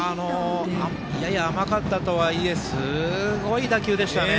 やや甘かったとはいえすごい打球でしたね。